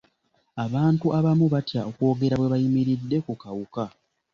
Abantu abamu batya okwogera bwe bayimiridde ku kawuka.